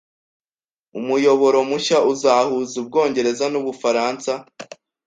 Umuyoboro mushya uzahuza Ubwongereza n'Ubufaransa